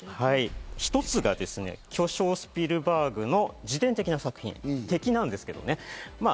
一つが巨匠・スピルバーグの自伝的な作品、「的」なんですけどね。